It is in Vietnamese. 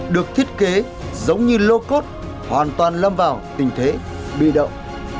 được thiết kế giống như lô cốt hoàn toàn lâm vào tình thế bi động